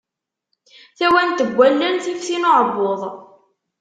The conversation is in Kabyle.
Tawant n wallen, tif tin uɛebbuḍ.